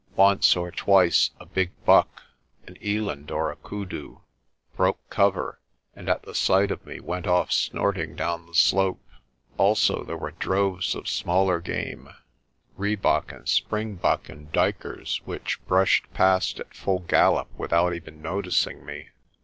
Once or twice a big buck an eland or a koodoo broke cover, and at the sight of me went off snorting down the slope. Also there were droves of smaller game rhebok and springbok and duikers which brushed past at full gal lop without even noticing me.